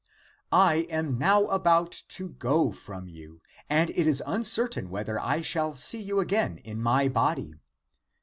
I am now about to go from you, and it is uncertain whether I shall see you again in my body.